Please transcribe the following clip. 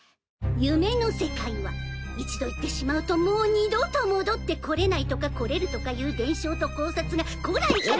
夢の世界は一度行ってしまうともう二度と戻ってこれないとかこれるとかいう伝承と考察が古来から。